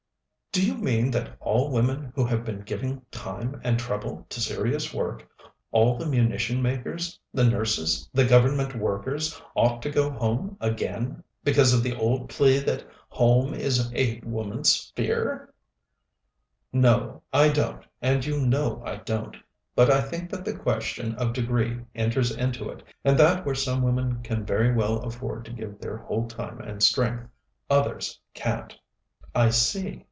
"Do you mean that all the women who have been giving time and trouble to serious work, all the munition makers, the nurses, the Government workers, ought to go home again because of the old plea that home is a woman's sphere?" "No, I don't, and you know I don't. But I think that the question of degree enters into it, and that where some women can very well afford to give their whole time and strength, others can't." "I see.